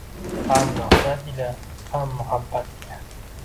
Ham nafrat ila, ham muhabbat ila!